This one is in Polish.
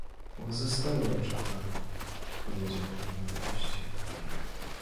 "Łzy stoją w oczach pana, powiedział, gdy mnie wypuścił."